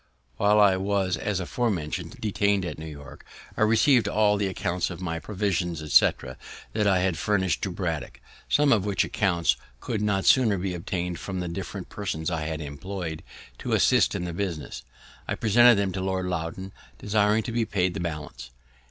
While I was, as afore mention'd, detain'd at New York, I receiv'd all the accounts of the provisions, etc., that I had furnish'd to Braddock, some of which accounts could not sooner be obtain'd from the different persons I had employ'd to assist in the business. I presented them to Lord Loudoun, desiring to be paid the balance.